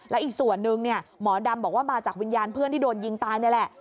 แล้วอีกส่วนหนึ่งหมอดำบอกว่ามาจากวิญญาณเพื่อนที่โดนยิงตายนี่แหละ